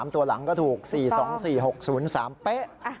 ตัวหลังก็ถูก๔๒๔๖๐๓เป๊ะ